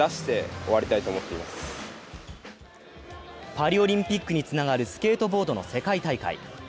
パリオリンピックにつながるスケートボードの世界大会。